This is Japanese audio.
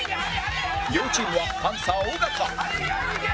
亮チームはパンサー尾形